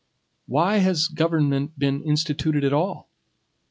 Why has government been instituted at all?